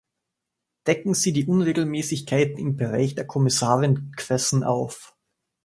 Decken Sie die Unregelmäßigkeiten im Bereich der Kommissarin Cresson auf.